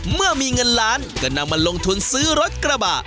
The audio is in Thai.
เมื่อมีเงินล้านก็นำมาลงทุนซื้อรถกระบะ